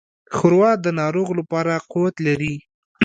ښوروا د ناروغ لپاره قوت لري.